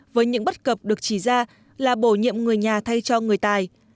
với những bất cập được chỉ ra là bổ nhiệm người nhà thay cho người tài